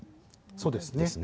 そうですね。